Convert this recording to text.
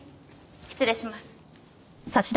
失礼します。